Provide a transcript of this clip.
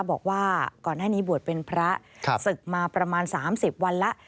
บอกว่าก่อนหน้านี้บวชเป็นพระศึกมาประมาณ๓๐วันแล้ว